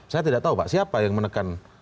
saya tidak tahu pak siapa yang menekan